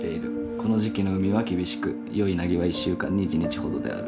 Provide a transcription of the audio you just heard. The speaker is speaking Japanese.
この時期の海は厳しく良い凪は１週間に１日ほどである。